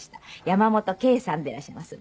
山本圭さんでいらっしゃいます。